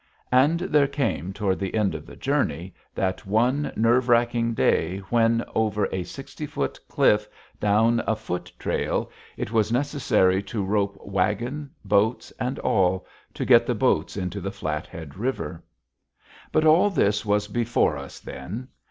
And there came, toward the end of the journey, that one nerve racking day when, over a sixty foot cliff down a foot trail, it was necessary to rope wagon, boats, and all, to get the boats into the Flathead River. But all this was before us then.